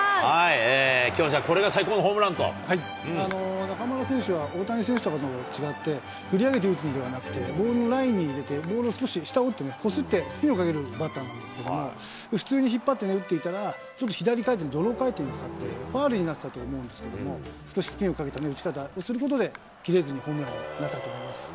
きょう、これが最高のホーム中村選手は大谷選手とかと違って、振り上げて打つのではなくて、ボールをラインに入れて、ボールを少し下を打って、こすって、スピンをかけるバッターなんですけれども、普通に引っ張って打っていたら、左にドロー回転がかかって、ファウルになってたと思うんですけれども、少しスピンをかけた打ち方、することで、にホームランになったと思います。